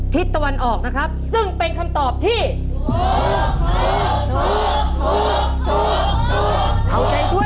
ทิศตะวันออกนะครับซึ่งเป็นคำตอบที่ถูกถูกถูกถูกถูกถูก